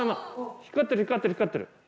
光ってる光ってる光ってる。